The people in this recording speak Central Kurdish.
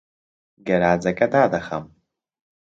گەراجەکە دادەخەم.